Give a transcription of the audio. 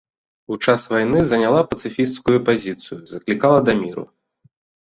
У час вайны заняла пацыфісцкую пазіцыю, заклікала да міру.